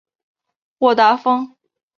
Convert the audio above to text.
沃达丰